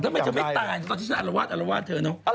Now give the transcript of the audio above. ทำไมจะไม่ตายตอนที่ฉันอารวาดเธอเนาะ